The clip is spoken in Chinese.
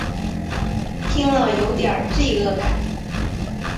听到了有点罪恶感